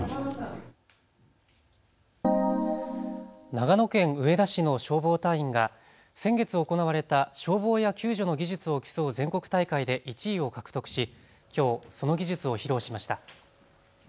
長野県上田市の消防隊員が先月行われた消防や救助の技術を競う全国大会で１位を獲得しきょうその技術を披露しました。